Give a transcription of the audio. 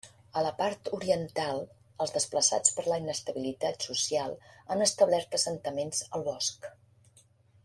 A la part oriental els desplaçats per la inestabilitat social han establert assentaments al bosc.